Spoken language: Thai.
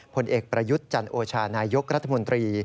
ผลเอกประยุทธ์จันโอชานายกรัฐมนตรี